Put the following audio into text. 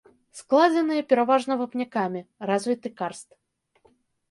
Складзеныя пераважна вапнякамі, развіты карст.